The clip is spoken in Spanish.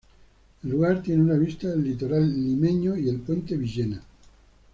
El lugar tiene una vista del litoral limeño y el puente Villena.